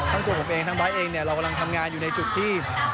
ตัวผมเองทั้งไบร์ทเองเนี่ยเรากำลังทำงานอยู่ในจุดที่